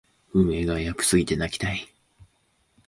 運営がエアプすぎて泣きたい